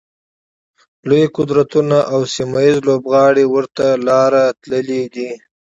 لوی قدرتونه او سیمه ییز لوبغاړي ورته لاره تللي دي.